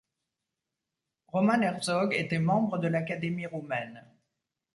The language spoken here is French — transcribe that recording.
Roman Herzog était membre de l'Académie roumaine.